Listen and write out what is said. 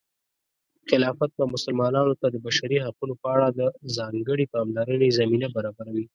خلافت به مسلمانانو ته د بشري حقونو په اړه د ځانګړې پاملرنې زمینه برابروي.